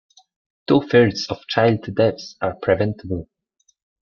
Two-thirds of child deaths are preventable.